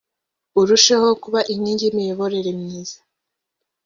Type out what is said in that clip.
urusheho kuba inkingi y’imiyoborere myiza